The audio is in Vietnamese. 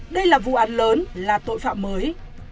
đây là vụ án lớn là tội phạm mới